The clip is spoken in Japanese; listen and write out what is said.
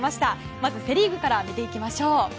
まず、セ・リーグから見ていきましょう。